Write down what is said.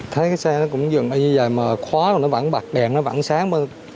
thấy cái xe nó cũng dường như vậy mà khóa rồi nó vẫn bạc đèn nó vẫn sáng